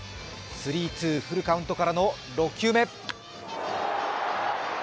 スリー・ツー、フルカウントからの６球目。